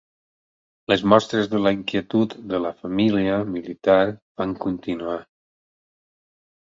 Les mostres de la inquietud de la família militar van continuar.